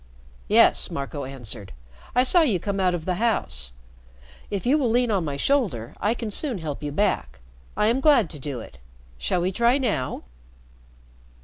"Yes," Marco answered. "I saw you come out of the house. If you will lean on my shoulder, I can soon help you back. I am glad to do it. Shall we try now?"